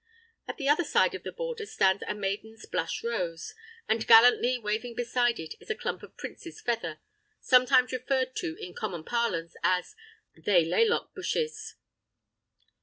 At the other side of the border stands a maiden's blush rose, and gallantly waving beside it is a clump of Prince's Feather (sometimes referred to in common parlance as "they laylock bushes").